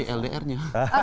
itu tadi ldr nya